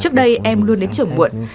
trước đây em luôn đến trường buộn